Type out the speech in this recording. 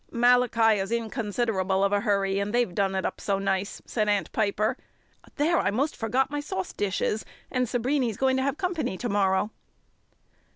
"Malachi is in considerable of a hurry, and they've done it up so nice," said Aunt Piper. "There! I 'most forgot my sauce dishes, and Sabriny's going to have company to morrow!"